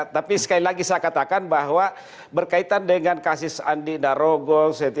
tapi sekali lagi saya katakan bahwa berkaitan dengan kasus andina rogong setia nopanti itu masih salah satu